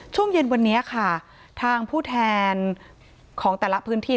ช่วงเย็นวันนี้ค่ะทางผู้แทนของแต่ละพื้นที่